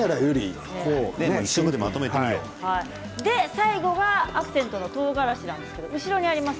最後はアクセントのとうがらし、後ろにあります。